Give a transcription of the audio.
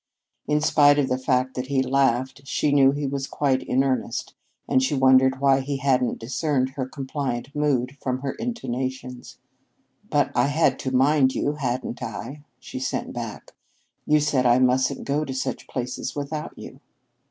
In spite of the fact that he laughed, she knew he was quite in earnest, and she wondered why he hadn't discerned her compliant mood from her intonations. "But I had to mind you, hadn't I?" she sent back. "You said I mustn't go to such places without you."